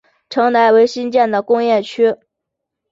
城南为新建的工业区。